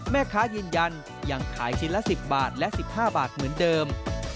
ยืนยันยังขายชิ้นละ๑๐บาทและ๑๕บาทเหมือนเดิม